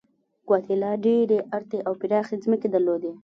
ګواتیلا ډېرې ارتې او پراخې ځمکې درلودلې.